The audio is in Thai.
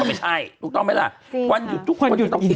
ไม่ใช่ถูกต้องไหมล่ะวันหยุดทุกคนหยุดต้องกิน